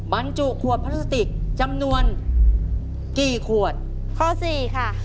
บรรจุขวดพลาสติกจำนวนกี่ขวดข้อสี่ค่ะ